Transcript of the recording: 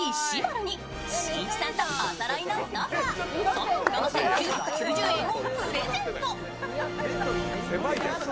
しんいちさんとおそろいのソファ３万７９９０円をプレゼント。